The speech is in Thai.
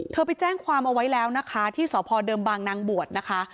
ไปแจ้งความเอาไว้แล้วนะคะที่สพเดิมบางนางบวชนะคะ